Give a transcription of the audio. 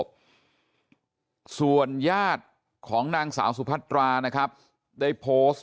แล้วก็ยัดลงถังสีฟ้าขนาด๒๐๐ลิตร